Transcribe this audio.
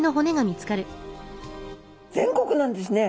全国なんですね。